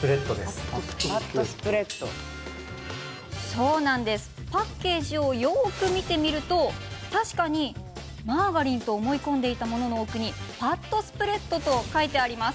そうなんです、パッケージをよく見てみると確かにマーガリンと思い込んでいたものの多くにファットスプレッドと書いてあります。